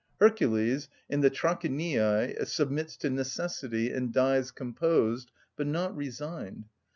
Hercules, in the Trachiniæ, submits to necessity, and dies composed, but not resigned.